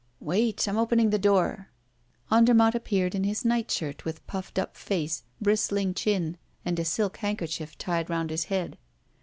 "Wait I'm opening the door." Andermatt appeared in his nightshirt, with puffed up face, bristling chin, and a silk handkerchief tied round his head.